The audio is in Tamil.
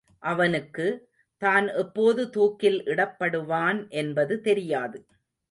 அவனுக்கு, தான் எப்போது தூக்கில் இடப்படுவான் என்பது தெரியாது.